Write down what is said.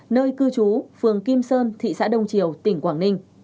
nơi cư trú phường kim sơn thị xã đông triều tp hcm